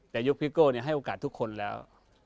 แต่ยุคพิโก้ให้โอกาสทุกคนแล้ว